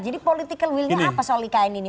jadi political willnya apa soal ikn ini